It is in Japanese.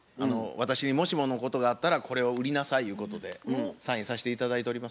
私にもしものことがあったらこれを売りなさいゆうことでサインさして頂いております。